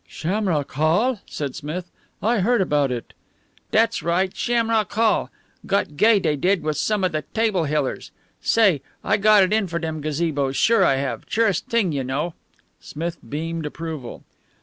"Shamrock Hall?" said Smith. "I heard about it." "Dat's right, Shamrock Hall. Got gay, dey did, wit' some of the Table Hillers. Say, I got it in for dem gazebos, sure I have. Surest t'ing you know." Smith beamed approval.